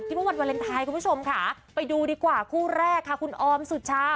วันวาเลนไทยคุณผู้ชมค่ะไปดูดีกว่าคู่แรกค่ะคุณออมสุชา